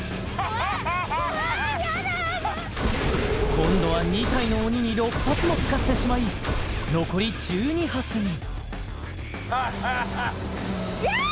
今度は２体の鬼に６発も使ってしまい残り１２発にハハハいやーっ！